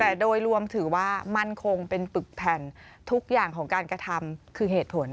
แต่โดยรวมถือว่ามั่นคงเป็นปึกแผ่นทุกอย่างของการกระทำคือเหตุผล